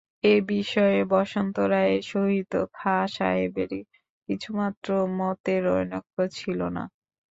এ-বিষয়ে বসন্ত রায়ের সহিত খাঁ সাহেবের কিছুমাত্র মতের অনৈক্য ছিল না।